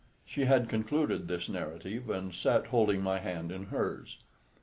She had concluded this narrative, and sat holding my hand in hers.